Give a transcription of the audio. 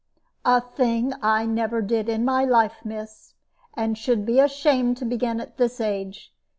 "A thing I never did in my life, miss, and should be ashamed to begin at this age.